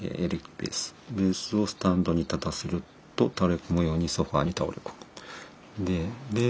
「ベースをスタンドに立たせると倒れ込むようにソファに倒れ込む」。